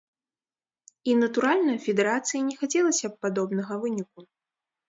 І, натуральна, федэрацыі не хацелася б падобнага выніку.